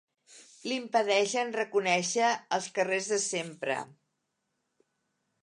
L'impedeixen reconèixer els carrers de sempre.